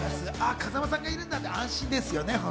風間さんがいるんだって安心ですよね。